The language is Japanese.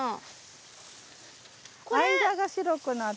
間が白くなってる。